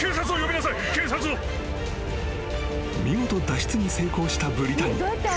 ［見事脱出に成功したブリタニー］